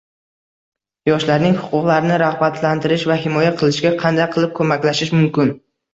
Yoshlarning huquqlarini ragʻbatlantirish va himoya qilishga qanday qilib koʻmaklashish mumkin?